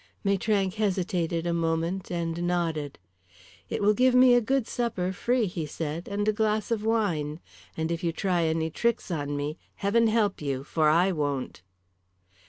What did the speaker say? Maitrank hesitated a moment and nodded. "It will give me a good supper free," he said, "and a glass of wine. And if you try any tricks on me, heaven help you, for I won't!"